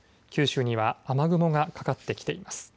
九州には雨雲がかかってきています。